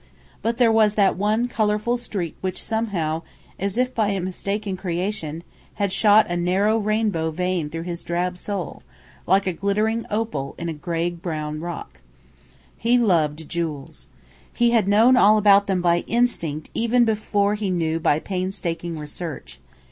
But there was that one colourful streak which somehow, as if by a mistake in creation, had shot a narrow rainbow vein through his drab soul, like a glittering opal in gray brown rock. He loved jewels. He had known all about them by instinct even before he knew by painstaking research.